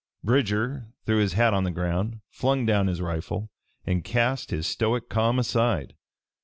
Bridger threw his hat on the ground, flung down his rifle and cast his stoic calm aside.